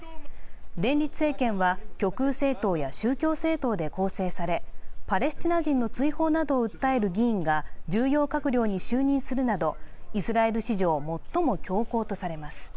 連立政権は極右政党や宗教政党で構成されパレスチナ人の追放などを訴える議員が重要閣僚に就任するなどイスラエル史上最も強硬とされます。